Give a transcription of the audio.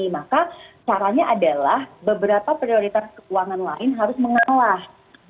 maka caranya adalah beberapa prioritas keuangan lain harus mengalah